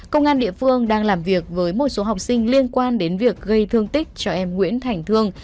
công an địa phương đang làm việc với một số học sinh liên quan đến việc gây thương tích cho em nguyễn thành thương